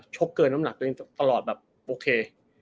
กเกินน้ำหนักตัวเองตลอดแบบโอเค